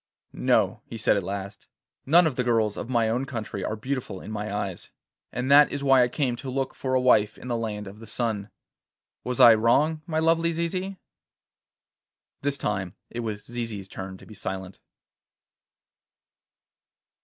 'No,' he said at last. 'None of the girls of my own country are beautiful in my eyes, and that is why I came to look for a wife in the land of the sun. Was I wrong, my lovely Zizi?' This time it was Zizi's turn to be silent.